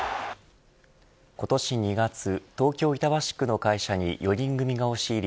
今年２月東京、板橋区の会社に４人組が押し入り